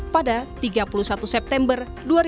pada tiga puluh satu september dua ribu dua puluh